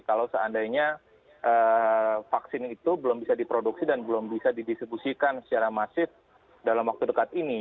kalau seandainya vaksin itu belum bisa diproduksi dan belum bisa didistribusikan secara masif dalam waktu dekat ini